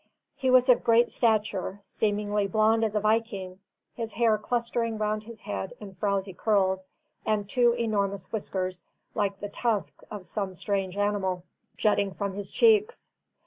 He was of great stature, seemingly blonde as a viking, his hair clustering round his head in frowsy curls, and two enormous whiskers, like the tusks of some strange animal, jutting from his cheeks.